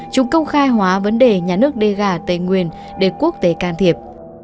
chúng công khai hóa vấn đề nhà nước dega ở tây nguyên để quốc tế can thiệp